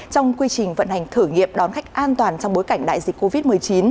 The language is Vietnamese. trong quy trình vận hành thử nghiệm đón khách an toàn trong bối cảnh đại dịch covid một mươi chín